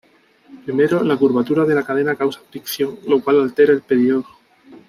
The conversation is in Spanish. Primero, la curvatura de la cadena causa fricción, lo cual altera el periodo.